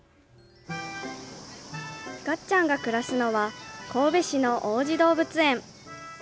がっちゃんが暮らすのは神戸市の王子動物園。